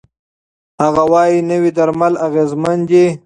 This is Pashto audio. هغه وايي، نوي درمل اغېزمن دي.